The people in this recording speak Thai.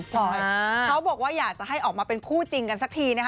เขาบอกว่าอยากจะให้ออกมาเป็นคู่จริงกันสักทีนะคะ